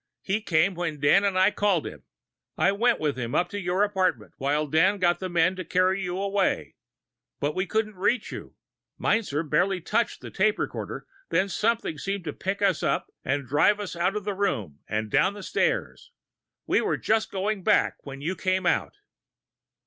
"He came when Dan and I called him. I went with him up to your apartment, while Dan got the men to carry you away. But we couldn't reach you Meinzer barely touched the tape recorder when something seemed to pick us up and drive us out of the room and down the stairs. We were just going back when you came out."